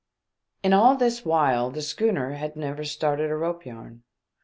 In all this while the schooner had never started a rope yarn.